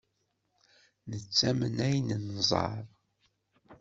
Nettamen ayen nẓerr.